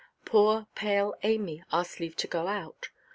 Poor pale Amy asked leave to go out.